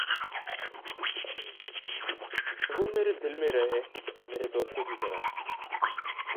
وُہ میرے دل میں رہے میرے دوستوں کی طرح